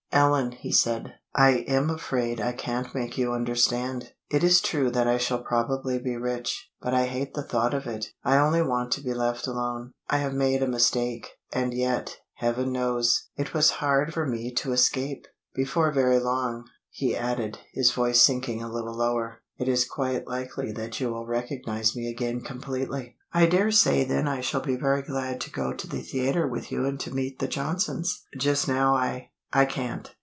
"Ellen," he said, "I am afraid I can't make you understand. It is true that I shall probably be rich, but I hate the thought of it. I only want to be left alone. I have made a mistake, and yet, Heaven knows, it was hard for me to escape! Before very long," he added, his voice sinking a little lower, "it is quite likely that you will recognize me again completely. I dare say then I shall be very glad to go to the theatre with you and to meet the Johnsons. Just now I I can't."